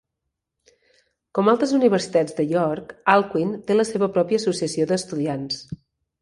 Com altres universitats de York, Alcuin té la seva pròpia Associació d'Estudiants.